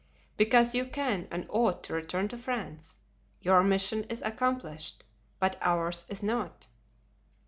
"Because you can and ought to return to France; your mission is accomplished, but ours is not."